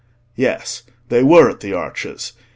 Yes—they were at the arches.